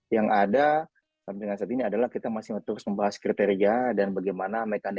yang ada sampai dengan saat ini adalah kita masih terus membahas kriteria dan bagaimana mekanisme